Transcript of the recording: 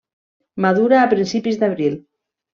Madura a principis d'abril.